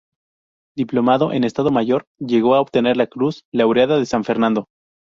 Diplomado en Estado Mayor, llegó a obtener la Cruz Laureada de San Fernando.